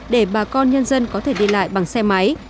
để bà con nhân dân có thể đi lại bằng xe máy